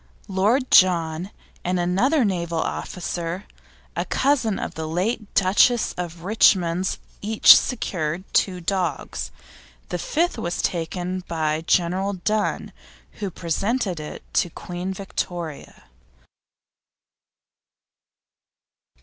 Lord John and another naval officer, a cousin of the late Duchess of Richmond's, each secured two dogs; the fifth was taken by General Dunne, who presented it to Queen Victoria.